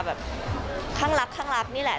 แบบแบบข้างรักนี่แหละ